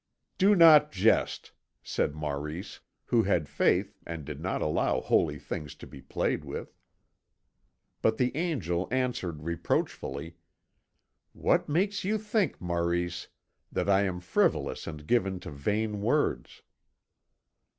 "Do not jest," said Maurice, who had faith and did not allow holy things to be played with. But the Angel answered reproachfully: "What makes you think, Maurice, that I am frivolous and given to vain words?"